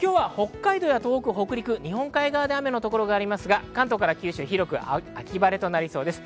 今日は北海道、東北、北陸、日本海側で雨の所がありますが、関東から九州は広く秋晴れとなりそうです。